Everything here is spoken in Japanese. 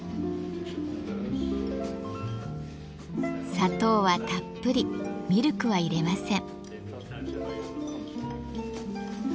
砂糖はたっぷりミルクは入れません。